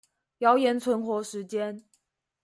謠言存活時間